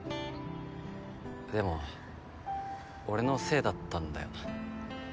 でも俺のせいだったんだよな。